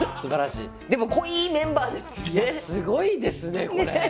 いやすごいですねこれ。